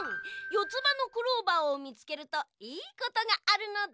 よつばのクローバーをみつけるといいことがあるのだ。